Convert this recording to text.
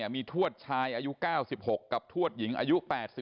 มีทวดชายอายุ๙๖กับทวดหญิงอายุ๘๒